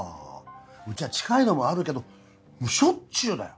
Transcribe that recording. うちは近いのもあるけどしょっちゅうだよ。